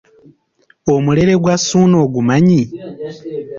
Omulere gwa Ssuuna ogumanyi?